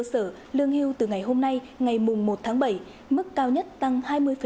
cơ sở lương hưu từ ngày hôm nay ngày một tháng bảy mức cao nhất tăng hai mươi tám